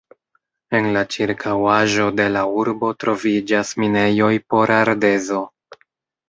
En la ĉirkaŭaĵo de la urbo troviĝas minejoj por ardezo.